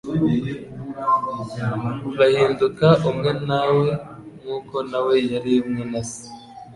Bahinduka umwe na we nk’uko nawe yari umwe na Se.